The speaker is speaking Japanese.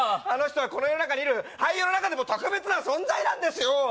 あの人はこの世の中にいる俳優の中でも特別な存在なんですよ！